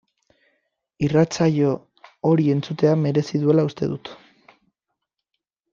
Irratsaio hori entzutea merezi duela uste dut.